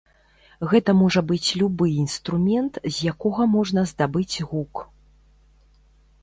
Гэта можа быць любы інструмент з якога можна здабыць гук.